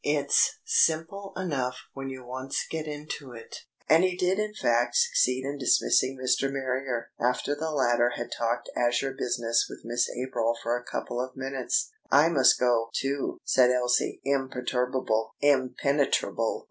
"It's simple enough when you once get into it.") And he did in fact succeed in dismissing Mr. Marrier, after the latter had talked Azure business with Miss April for a couple of minutes. "I must go, too," said Elsie, imperturbable, impenetrable.